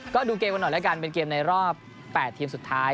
ก็ดูเกมกันหน่อยแล้วกันเป็นเกมในรอบ๘ทีมสุดท้าย